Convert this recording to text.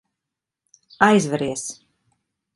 Aizveries.